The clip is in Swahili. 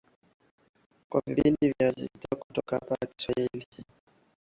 kwa vipindi vijavyo kutoka hapa idhaa ya kiswahili